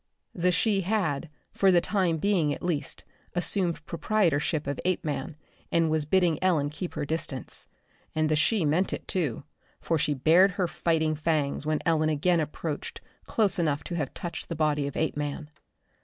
The she had, for the time being at least, assumed proprietorship of Apeman, and was bidding Ellen keep her distance. And the she meant it, too. For she bared her fighting fangs when Ellen again approached close enough to have touched the body of Apeman.